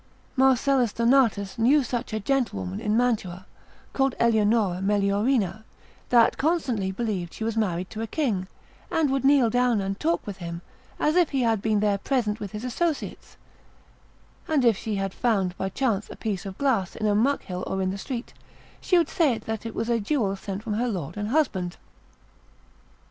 Marcellus Donatus knew such a gentlewoman in Mantua, called Elionora Meliorina, that constantly believed she was married to a king, and would kneel down and talk with him, as if he had been there present with his associates; and if she had found by chance a piece of glass in a muck hill or in the street, she would say that it was a jewel sent from her lord and husband.